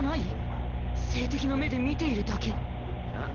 性的な目で見ているだけん？